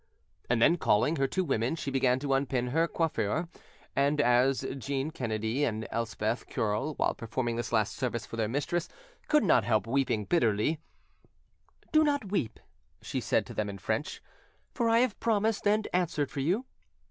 And then, calling her two women, she began to unpin her coiffure, and as Jeanne Kennedy and Elspeth Curle, while performing this last service for their mistress, could not help weeping bitterly— "Do not weep," she said to them in French; "for I have promised and answered for you."